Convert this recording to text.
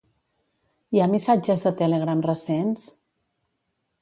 Hi ha missatges de Telegram recents?